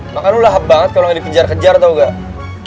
makan lu lahap banget kalo gak dikejar kejar tau gak